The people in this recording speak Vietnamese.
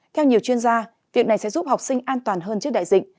theo nhiều chuyên gia việc này sẽ giúp học sinh an toàn hơn trước đại dịch